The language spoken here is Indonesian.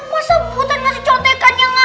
masa butet ngasih contekan yang asal